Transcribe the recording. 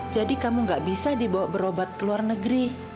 jadi kamu nggak bisa dibawa berobat ke luar negeri